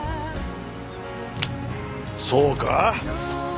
そうか？